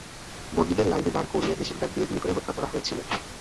বন্দিদের লাইনে দাঁড় করিয়ে মেশিনগান দিয়ে গুলি করে হত্যা করা হয়েছিল।